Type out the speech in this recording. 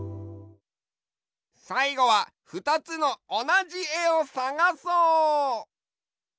さいごはふたつのおなじえをさがそう！